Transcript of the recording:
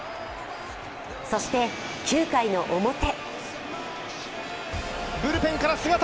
そして９回の表。